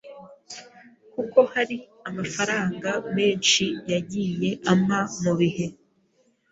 kuko hari amafaranga menshi yagiye ampa mu bihe